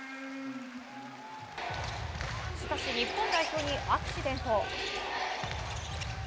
しかし、日本代表にアクシデント。